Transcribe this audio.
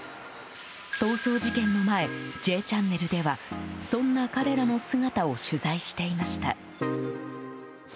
逃走事件の前「Ｊチャンネル」ではそんな彼らの姿を取材していました。